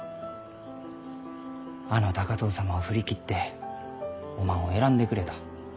あの高藤様を振り切っておまんを選んでくれた。